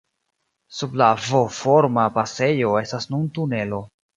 Sub la V-forma pasejo estas nun tunelo.